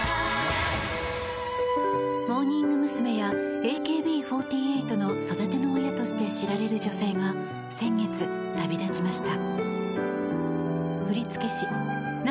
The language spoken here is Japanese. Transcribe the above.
モーニング娘。やＡＫＢ４８の育ての親として知られる女性が先月、旅立ちました。